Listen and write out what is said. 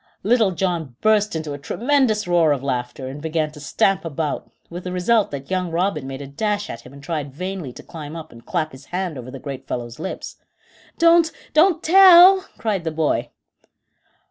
Little John burst into a tremendous roar of laughter, and began to stamp about, with the result that young Robin made a dash at him and tried vainly to climb up and clap his hand over the great fellow's lips. "Don't don't tell," cried the boy.